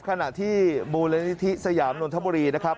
ขณะที่มูลนิธิสยามนนทบุรีนะครับ